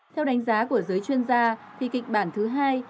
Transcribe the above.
theo đánh giá của giới chuyên gia thì kịch bản thứ hai